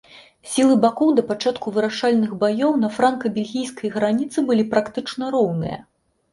Сілы бакоў да пачатку вырашальных баёў на франка-бельгійскай граніцы былі практычна роўныя.